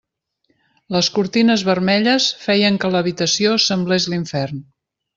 Les cortines vermelles feien que l'habitació semblés l'infern.